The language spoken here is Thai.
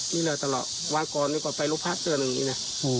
นี่เลยตลอดวางกรนี่ก็ไปลูกพราชเจอหนึ่งอย่างนี้นะ